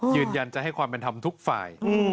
ยืนยันจะให้ความเป็นธรรมทุกฝ่าย